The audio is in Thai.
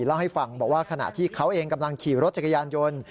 เล่าให้ฟังบอกว่าขณะที่เขาเองกำลังขี่รถจักรยานยนต์